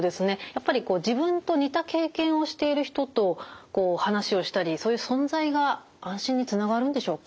やっぱり自分と似た経験をしている人と話をしたりそういう存在が安心につながるんでしょうか？